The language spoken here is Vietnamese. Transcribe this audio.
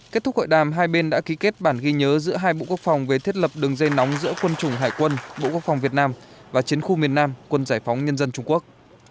kết thúc hội đàm hai bên đã ký kết bản ghi nhớ giữa hai bộ quốc phòng về thiết lập đường dây nóng giữa quân chủng hải quân bộ quốc phòng việt nam và chiến khu miền nam quân giải phóng nhân dân trung quốc